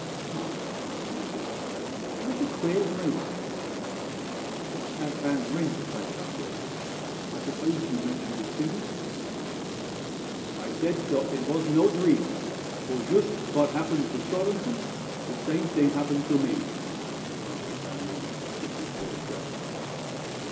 "Ah!" I commented, "quite a queer dream. What had Van Ryn to say about it? I suppose you mentioned it to him?" "I said dot it vas no dream; for shoost vot happened to Svorenssen, the same thing happened to me," answered Van Ryn, speaking for himself.